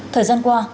thời gian qua